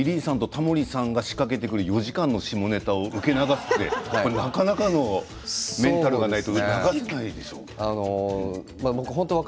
リリーさんとタモリさんが仕掛けてくる４時間の下ネタを受け流すというのもかなりのメンタルがないと。